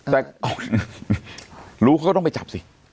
แต่รู้เขาก็ต้องไปจับสิ